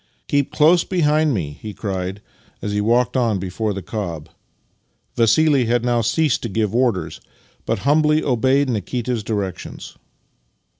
" Keep close behind me," he cried as he walked on before the cob. Vassili had now ceased to give orders, but humbly obeyed Nikita's directions.